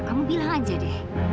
kamu bilang aja deh